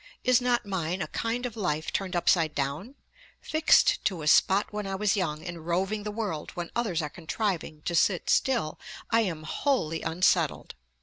Is not mine a kind of life turned upside down? Fixed to a spot when I was young, and roving the world when others are contriving to sit still, I am wholly unsettled.